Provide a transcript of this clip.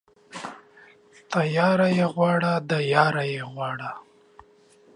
تياره يې غواړه ، د ياره يې غواړه.